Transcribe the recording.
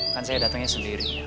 kan saya datangnya sendiri